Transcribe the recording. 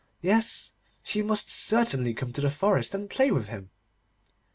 Yes, she must certainly come to the forest and play with him.